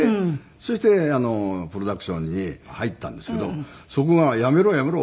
そしてプロダクションに入ったんですけどそこが「やめろやめろ！